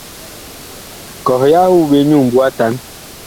Kɔh yah wu ɓe nyu ŋmbu atan.